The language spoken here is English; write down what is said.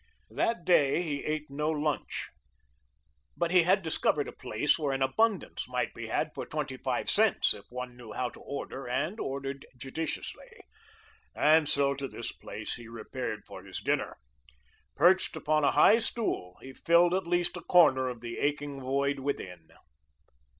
That day he ate no lunch, but he had discovered a place where an abundance might be had for twenty five cents if one knew how to order and ordered judiciously. And so to this place he repaired for his dinner. Perched upon a high stool, he filled at least a corner of the aching void within.